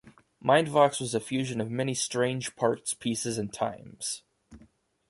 MindVox was a fusion of many strange parts, pieces and times.